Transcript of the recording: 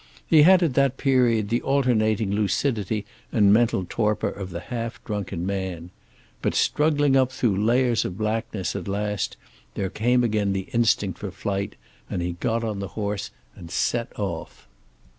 He had at that period the alternating lucidity and mental torpor of the half drunken man. But struggling up through layers of blackness at last there came again the instinct for flight, and he got on the horse and set off.